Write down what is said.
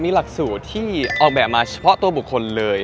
มีหลักสูตรที่ออกแบบมาเฉพาะตัวบุคคลเลย